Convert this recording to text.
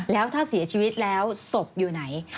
แล้วถ้าเสียชีวิตแล้วศพอยู่ไหน